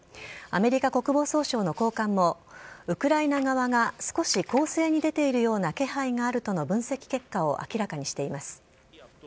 アメリカ国防総省の高官も、ウクライナ側が少し攻勢に出ているような気配があるとの分析結果を明らかにしています。